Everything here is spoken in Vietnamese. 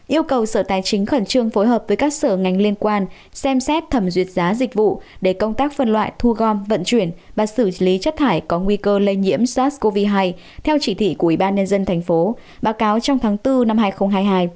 yêu cầu sở tài chính khẩn trương phối hợp với các sở ngành liên quan xem xét thẩm duyệt giá dịch vụ để công tác phân loại thu gom vận chuyển và xử lý chất thải có nguy cơ lây nhiễm sars cov hai theo chỉ thị của ủy ban nhân dân thành phố báo cáo trong tháng bốn năm hai nghìn hai mươi hai